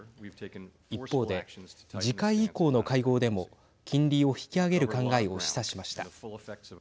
一方で次回以降の会合でも金利を引き上げる考えを示唆しました。